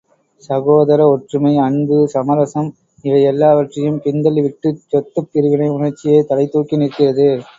சகோதர ஒற்றுமை அன்பு, சமரசம் இவையெல்லாவற்றையும் பின்தள்ளிவிட்டுச் சொத்துப் பிரிவினை உணர்ச்சியே தலை தூக்கி நிற்கிறது.